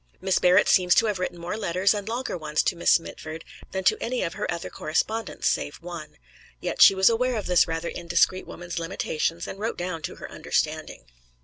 Miss Barrett seems to have written more letters and longer ones to Miss Mitford than to any of her other correspondents, save one. Yet she was aware of this rather indiscreet woman's limitations and wrote down to her understanding.